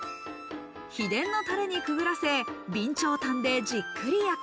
秘伝のタレにくぐらせ備長炭でじっくり焼く。